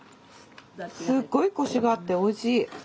すっごいコシがあっておいしい！